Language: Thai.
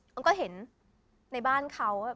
มันก็เห็นในบ้านเขา